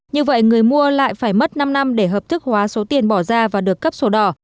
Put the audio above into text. như vậy người mua lại phải mất năm năm để hợp thức hóa số tiền bỏ ra và được cấp sổ đỏ